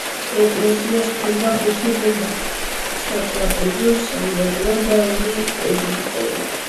ეკლესიას ჰქონდა ხუთი გუმბათი, სატრაპეზო, სამრეკლო და ორი ეგვტერი.